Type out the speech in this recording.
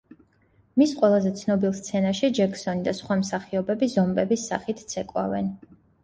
მის ყველაზე ცნობილ სცენაში ჯექსონი და სხვა მსახიობები ზომბების სახით ცეკვავენ.